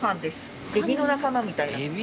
エビの仲間みたいな。